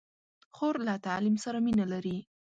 خور له تعلیم سره مینه لري.